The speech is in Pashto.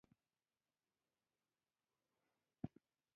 بوشونګانو بازار ته د خرڅلاو لپاره هم تولیدول